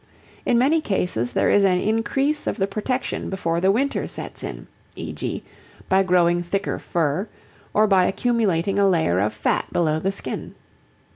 In many cases there is an increase of the protection before the winter sets in, e.g. by growing thicker fur or by accumulating a layer of fat below the skin.